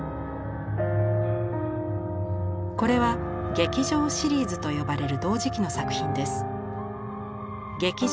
これは「劇場」シリーズと呼ばれる同時期の作品です。